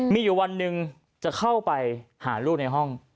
มีอยู่วันหนึ่งจะเข้าไปหาลูกในห้อง